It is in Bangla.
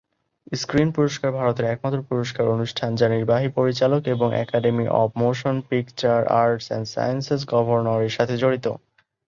স্ক্রিন পুরস্কার ভারতের একমাত্র পুরস্কার অনুষ্ঠান যা নির্বাহী পরিচালক এবং Academy of Motion Picture Arts and Sciences গভর্নরের সাথে জড়িত।